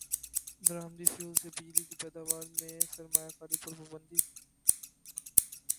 درامدی fuel سے بجلی کی پیداوار میں سرمایہ کاری پر پابندی